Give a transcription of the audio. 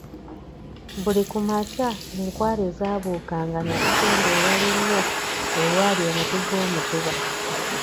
Buli ku makya enkwale zaabukanga ne zigenda ewala ennyo ewaali omuti gw'omutuba.